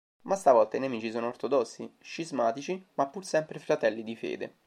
Ma stavolta i nemici sono ortodossi: scismatici ma pur sempre fratelli di fede.